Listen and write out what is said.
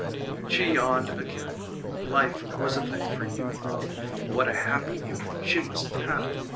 She yawned again life was a thing for youth. What a happy youth she must have had!